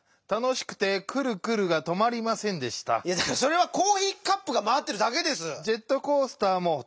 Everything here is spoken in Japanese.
いやだからそれはコーヒーカップがまわってるだけです。